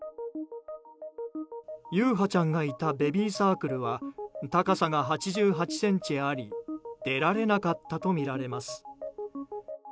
優陽ちゃんがいたベビーサークルは高さが８８ｃｍあり出られなかったとみられます。